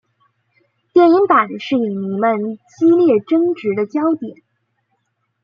电影版是影迷们激烈争执的焦点。